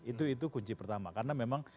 itu kunci pertama karena memang